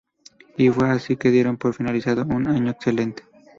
Y fue así que dieron por finalizado un año excelente.